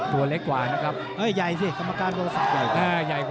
ตัวเล็กกว่านะครับอ่าหยายสิกรรมการวัลศักดิ์